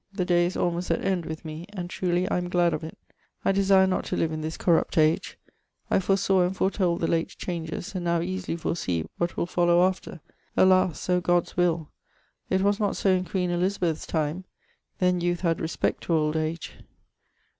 The day is almost at end with me, and truly I am glad of it: I desire not to live in this corrupt age. I foresawe and foretold the late changes, and now easily foresee what will follow after. Alas! O' God's will! It was not so in Queen Elizabeth's time: then youth had respect to old age.